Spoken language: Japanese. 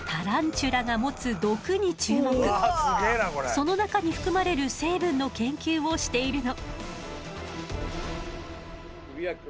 その中に含まれる成分の研究をしているの。